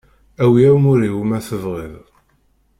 Awi amur-iw ma tebɣiḍ.